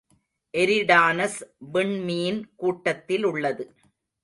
Eridanus விண்மீன் கூட்டத்திலுள்ளது.